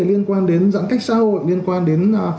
liên quan đến giãn cách xã hội liên quan đến